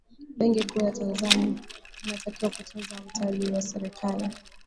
benki kuu ya tanzani inatakiwa kutunza mtaji wa serikali